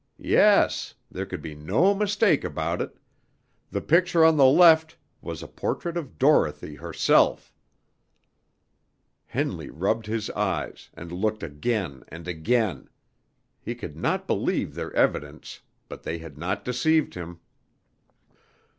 Yes, there could be no mistake about it; the picture on the left was a portrait of Dorothy herself. Henley rubbed his eyes, and looked again and again; he could not believe their evidence, but they had not deceived him.